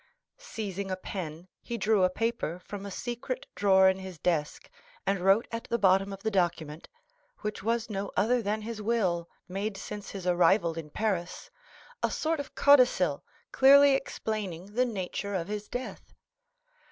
Seizing a pen, he drew a paper from a secret drawer in his desk, and wrote at the bottom of the document (which was no other than his will, made since his arrival in Paris) a sort of codicil, clearly explaining the nature of his death.